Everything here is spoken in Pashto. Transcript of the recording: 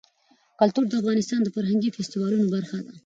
کلتور د افغانستان د فرهنګي فستیوالونو برخه ده.